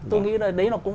tôi nghĩ là đấy nó cũng